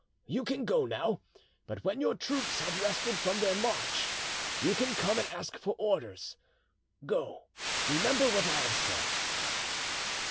You can go now; when your troops have rested from their march, you can come and ask for orders. Go, remember what I have said."